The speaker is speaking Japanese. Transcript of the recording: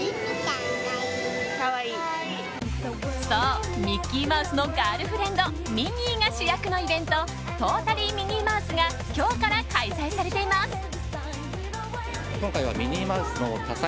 そうミッキーマウスのガールフレンドミニーが主役のイベント「トータリー・ミニーマウス」が今日から開催されています。